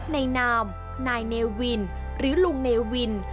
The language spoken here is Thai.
นามนายเนวินหรือลุงเนวิน